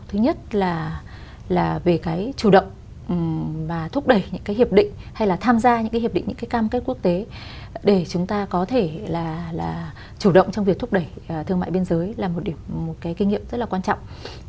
thứ nhất là về cái chủ động và thúc đẩy những cái hiệp định hay là tham gia những cái hiệp định những cái cam kết quốc tế để chúng ta có thể là chủ động trong việc thúc đẩy thương mại biên giới là một cái kinh nghiệm rất là quan trọng